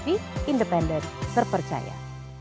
saya tidak tahu ya